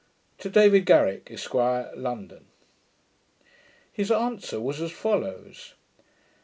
To David Garrick, Esq; London. His answer was as follows.